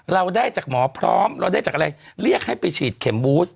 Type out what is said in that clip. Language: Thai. เราได้จากหมอพร้อมเราได้จากอะไรเรียกให้ไปฉีดเข็มบูส